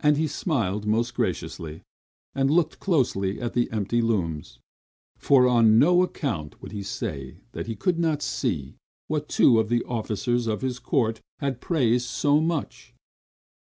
And he smiled most graciously, and looked closely at the empty looms; for on no account would he say that he could not see what two of the officers of his court had praised so much.